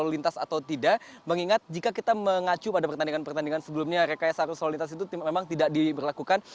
lalu lintas atau tidak mengingat jika kita mengacu pada pertandingan pertandingan sebelumnya rekayasa arus lalu lintas itu memang tidak diberlakukan